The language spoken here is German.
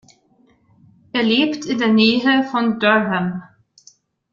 Er lebt in der Nähe von Durham.